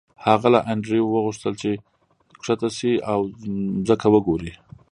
هغه له انډریو وغوښتل چې ښکته شي او ځمکه وګوري